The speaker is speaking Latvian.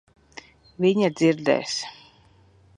Viņa dzirdēs.